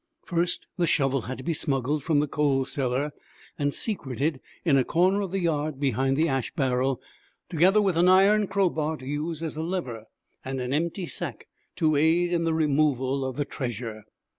First, the shovel had been smuggled from the coal cellar and secreted in a corner of the yard behind the ash barrel, together with an iron crowbar to use as a lever, and an empty sack to aid in the removal of the treasure.